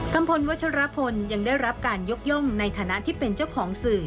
พลวัชรพลยังได้รับการยกย่องในฐานะที่เป็นเจ้าของสื่อ